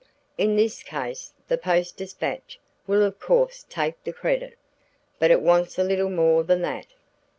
In this case, the Post Dispatch will of course take the credit, but it wants a little more than that.